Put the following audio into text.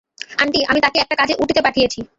Aunty, আমি তাকে একটা কাজে উটিতে পাঠিয়েছি।